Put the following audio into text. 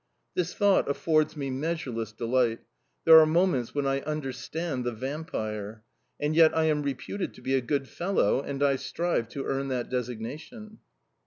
This thought affords me measureless delight: there are moments when I understand the Vampire... And yet I am reputed to be a good fellow, and I strive to earn that designation!